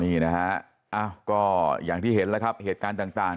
มีนะฮะอ้าวก็อย่างที่เห็นแล้วครับเหตุการณ์ต่างต่าง